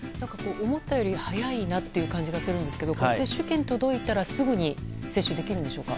思ったより早いなという感じがするんですけど接種券が届いたらすぐに接種できるんでしょうか。